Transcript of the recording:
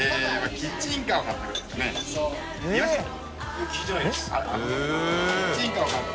キッチンカーを買って。